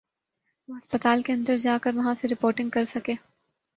وہ ہسپتال کے اندر جا کر وہاں سے رپورٹنگ کر سکے۔